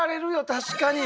確かに。